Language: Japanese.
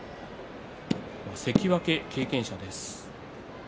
関脇経験者です。